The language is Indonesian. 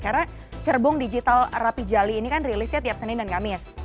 karena cerbong digital rapi jali ini kan rilisnya tiap senin dan kamis